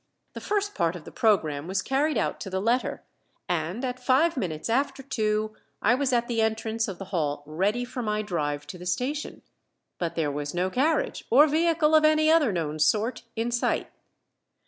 The first part of the program was carried out to the letter, and at five minutes after two I was at the entrance of the hall ready for my drive to the station. But there was no carriage or vehicle of any other known sort in sight.